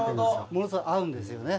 ものすごい合うんですよね。